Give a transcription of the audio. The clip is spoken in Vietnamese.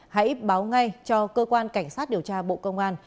hãy báo ngay cho cơ quan cảnh sát điều tra bộ công an